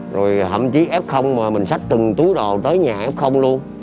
rồi hậm chí f mà mình xách từng túi đồ tới nhà f luôn